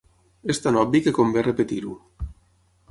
És tan obvi que convé repetir-ho.